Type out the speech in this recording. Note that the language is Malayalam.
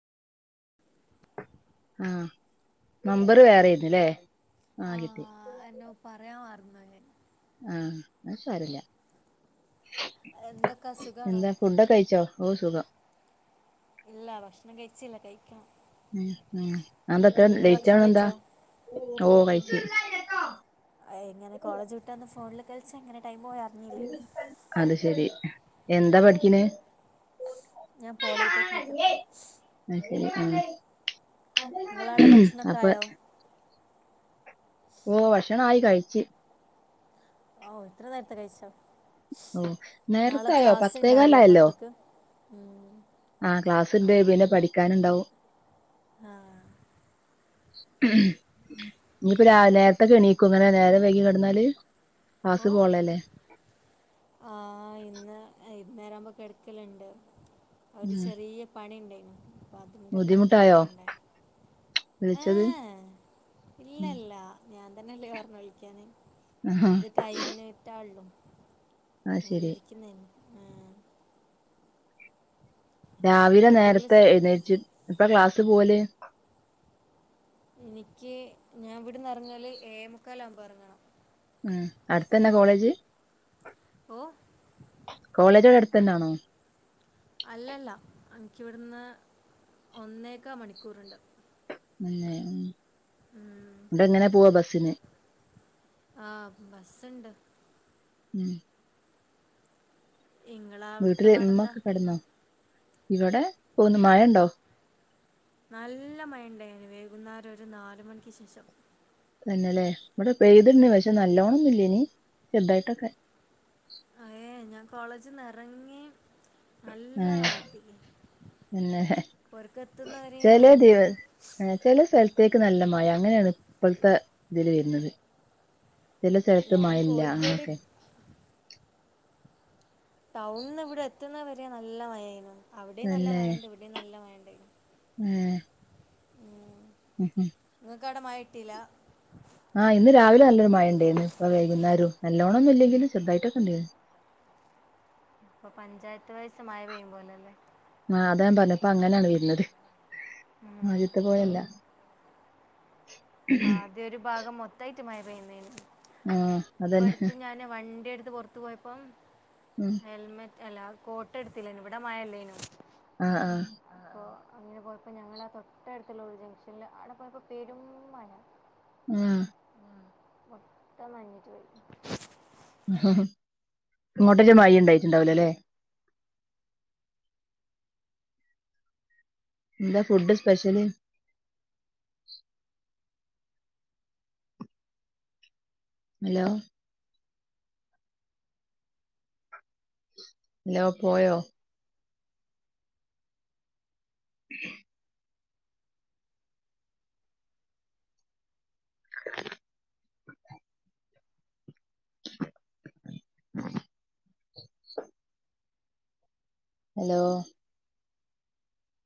ആ കേക്കുന്നില്ലേ ആ ആഹ് കിട്ടി എന്തോ പറയാ മറ ആ അത് സാരല്ല്യ എന്തൊക്കെ സുഖാണോ എന്താ ഫുഡകഴിച്ചോ ഓ സുഖം ഇല്ല ഭക്ഷണം കഴിച്ചില്ല കഴിക്കണം ഉം ഉം അതെന്താത്ര നിങ്ങൾ ലേറ്റ് ഭക്ഷണം ആണന്താ കഴിച്ചോ ഓ കഴിച്ച് എങ്ങനെ കോളേജ് വിട്ടന്ന് ഫോണില് കളിച്ചങ്ങനെ അത് ശരി എന്താ പഠിക്കണേ ഞാപോളിടെക്നിക് അത് ഉം ഉം ഭക്ഷണമൊക്കെ അപ്പൊ ആയോ ഓ ഭക്ഷണായി കഴിച്ച് ഓ ഇത്ര നേരത്തെ കഴിച്ചോ ഓ നാളെ നേരത്തായോ ക്ലാസ് ഉണ്ടാവില്ലേ പത്തേകാലായല്ലോ മക്കൾക്ക് ഉം. ആ ക്ലാസ്സിൽ ബേബീനെ പഠിക്കാനുണ്ടാവും ആ ഇഞ്ഞിപ്പൊ രാ നേരത്തെക്കെ എണിക്കോ ങ്ങനെ നിറം വൈകി കെടന്നാല് ക്ലാസ് ഓ പോവാള്ളല്ലേ ഇന്നേരാമ്പോ കെടക്കലുണ്ട് ഒരു ഉം ചെറീയ പണിണ്ടേ ബുദ്ധിമുട്ടായോ ഏ വിളിച്ചത് ഉം ഇല്ലല്ല ഞാൻ തന്നല്ലേ പറഞ്ഞു വിളിക്കാന് ആഹാ അത് കഴിഞ്ഞിട്ടള്ളൂ. അത് എങ്ങനെ ശെരി ഇരിക്കുന്നെന്ന്. രാവിലെ എന്തെങ്കിലും നേരത്തെ സ്- എഴുന്നേച്ച് എപ്പ ക്ലാസ് പോവല്? എനിക്ക് ഞാൻ ഇവിടുന്ന് എറങ്ങല് ഏഴേമുക്കാലാവുമ്പോ എറങ്ങണം. ഉം അടുത്തന്നെ കോളേജ് ഓ കോളേജടെ അടു തന്നാണോ? അല്ലല്ല ഇനിക്കിവിടുന്ന് ഒന്നേകാ മണിക്കൂറുണ്ട്. ഏ ഉം. ട്ടങ്ങനെ പോവാ ബസിന്? ആഹ് ബസ്സ്ണ്ട്. ഉം. നിങ്ങളവിടുത്തെ വീട്ടില് പാടെന്താ ഇമ്മക്കെ കെടന്നോ, ഇവടെ പോകുന്ന്, മഴണ്ടോ? നല്ല മഴണ്ടായിനിം വൈകുന്നാരം ഒരു നാല് മണിക്ക് ശേഷം തന്നെല്ലേ ഇവിടെ പെയ്തിന്ന് പക്ഷെ നല്ലോണന്നുല്ലേനി ചെറ്തായിട്ടൊക്കെ കോളേജിന്നറങ്ങി നല്ല മഴ കിട്ടി തന്നെ പുറക്കെത്തുന്നവരെ മഴ ചെലേ തന്നെയാണ് ദിവസ് ആ ചെലെ സ്ഥലത്ത് ത്തേക്ക് നല്ല മഴ അങ്ങനെയാണ് ഇപ്പളത്തെ ഇതില് വരുന്നത് ചില സ്ഥലത്ത് ഞാൻ മഴല്ല കോഴിക്കോട് അങ്ങനൊക്കെ ടൗണ്ന്ന് ഇവിടെ എത്തുന്ന വരെ നല്ല മഴേരുന്നു അവിടീ നല്ല തന്നെ മഴണ്ട് ഇവിടീ നല്ല മഴണ്ടായിനു ഉ ഹും [unintelligible] ആഇന്ന് രാവിലെ നല്ലൊരു മഴണ്ടായിന്നു ഇപ്പ വൈകുന്നേരോം നല്ലോണന്നും ഇല്ലെങ്കിലും ചെറുതായിട്ടൊക്കെണ്ടേന്നു ഇപ്പൊ പഞ്ചായത്ത് വൈസ് മഴ പെയ്യും പോലല്ലേ ആഹ് അതാ ഞാൻ പറഞ്ഞ് ഇപ്പ അങ്ങനാണ് വരുന്നത് ഉം. ആദ്യത്തെ പോലല്ല ആദ്യോരുഭാഗം മൊത്തായിട്ട് മഴ പെയ്യുന്നേനു ആഹ് അതന്നെ ത് പൊറത്തു പോയപ്പം ഉം ഹെൽമെറ്റ് അല്ല കോട്ട് എടുത്തില്ലായിനു ഇവിടെ മഴല്ലേനു ആഹ് ആഹ് അങ്ങനെ പോയപ്പോ ഞങ്ങള ആ തൊട്ടടുത്തുള്ള ഒരു ജംഗ്ഷനിൽ അവിടെ പോയപ്പോ പെരും മഴ. മ്മ് മൊത്തം ന്നഞ്ഞിട്ട് വരു ഉ ഇങ്ങോട്ടൊക്ക മയ ഇണ്ടായിട്ടുണ്ടാവുലലേ. എന്താ ഫുഡ് സ്പെഷ്യല്? അലോ? അലോ പോയോ? [unintelligible] [unintelligible] [unintelligible] അലോ?